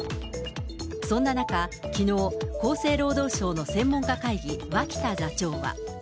そんな中、きのう、厚生労働省の専門家会議、脇田座長は。